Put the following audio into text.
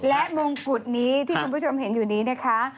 และมงกุฎนี้ที่คุณผู้ชมเห็นอยู่นี้นะคะ